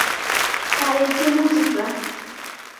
Kayai tiemutik raa